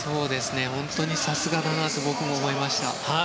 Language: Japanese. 本当にさすがだなと思いました。